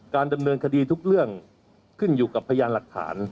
การดำเนินคดีทุกเรื่องขึ้นอยู่กับพยานหลักฐาน